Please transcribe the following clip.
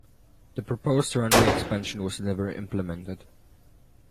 The proposed runway expansion was never implemented.